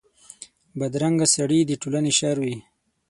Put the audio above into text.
بدرنګه سړي د ټولنې شر وي